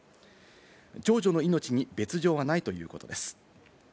長女の命に別条はないということです。